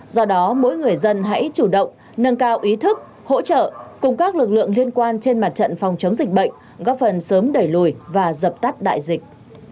do đó mỗi người dân hãy chủ động nâng cao ý thức hỗ trợ cùng các lực lượng liên quan trên mặt trận phòng chống dịch bệnh góp phần sớm đẩy lùi và dập tắt đại dịch